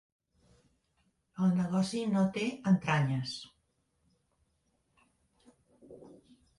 El negoci no té entranyes.